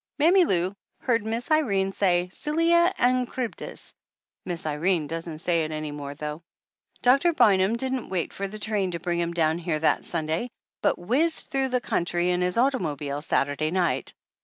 Mammy Lou heard Miss Irene say "Scylla and Chrybdis;'* Miss Irene doesn't say it any more though. Doctor Bynum didn't wait for the train to bring him down here that Sunday, but whizzed through the country in his automo bile Saturday night.